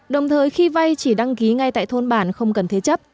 đồng thời khi vay chỉ đăng ký ngay tại thôn bản không cần thế chấp